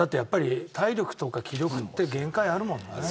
体力とか気力って限界ありますもんね。